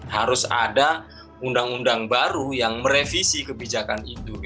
harus ada undang undang baru yang merevisi kebijakan itu